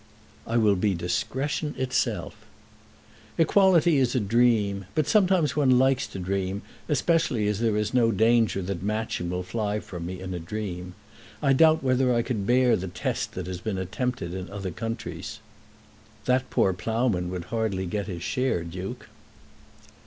"I will be discretion itself." "Equality is a dream. But sometimes one likes to dream, especially as there is no danger that Matching will fly from me in a dream. I doubt whether I could bear the test that has been attempted in other countries." "That poor ploughman would hardly get his share, Duke."